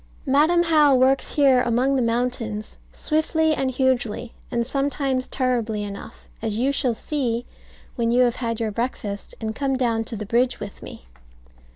Madam How works here among the mountains swiftly and hugely, and sometimes terribly enough; as you shall see when you have had your breakfast, and come down to the bridge with me.